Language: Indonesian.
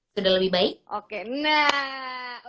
sudah lebih baik oke nah